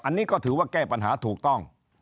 อันนี้ก็ถือว่าแก้ปัญหาถูกต้อง